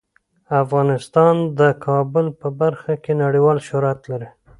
افغانستان د کابل په برخه کې نړیوال شهرت لري.